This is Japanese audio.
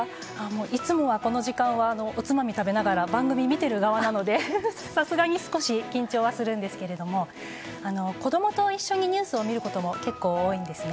いつもはこの時間はおつまみを食べながら番組を見ている側なのでさすがに少し緊張はするんですが子供と一緒にニュースを見ることも結構、多いんですね。